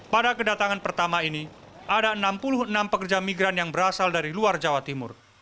pada kedatangan pertama ini ada enam puluh enam pekerja migran yang berasal dari luar jawa timur